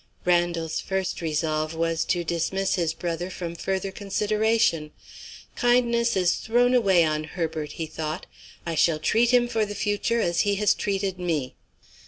Randal's first resolve was to dismiss his brother from further consideration. "Kindness is thrown away on Herbert," he thought; "I shall treat him for the future as he has treated me."